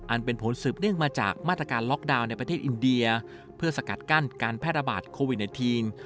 อันเป็นผลสืบเนื่องมาจากมาตรการล็อกดาวน์ในประเทศอินเดียเพื่อสกัดกั้นการแพร่ระบาดโควิด๑๙